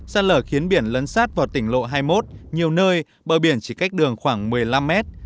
sạt lở khiến biển lấn sát vào tỉnh lộ hai mươi một nhiều nơi bờ biển chỉ cách đường khoảng một mươi năm mét